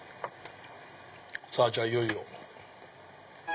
じゃあいよいよ。